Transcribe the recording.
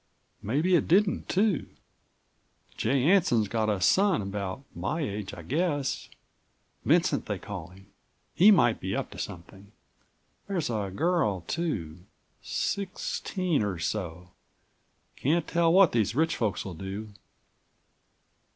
Maybe it didn't, too. J. Anson's got a son, about my age I guess. Vincent they call him. He might be up to something. There's a girl, too, sixteen or so. Can't tell what these rich folks will do."